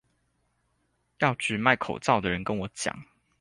藥局賣口罩的人跟我講